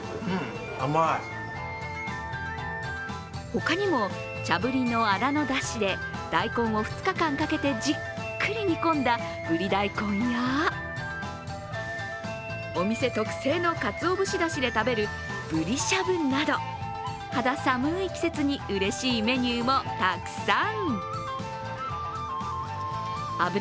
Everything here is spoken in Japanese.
ほかにも、茶ぶりのあらのだしで大根を２日間かけてじっくり煮込んだぶり大根やお店特製のかつお節だしで食べる肌寒い季節にうれしいメニューもたくさん。